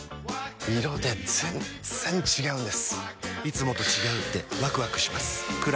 色で全然違うんです！